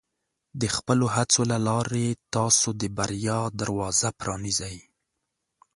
د خپلو هڅو له لارې، تاسو د بریا دروازه پرانیزئ.